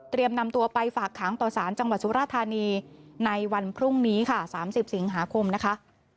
นำตัวไปฝากขังต่อสารจังหวัดสุราธานีในวันพรุ่งนี้ค่ะ๓๐สิงหาคมนะคะ